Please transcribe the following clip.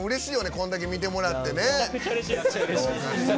こんだけ見てもらってね。